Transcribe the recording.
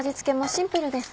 シンプルです。